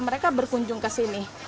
mereka berkunjung ke sini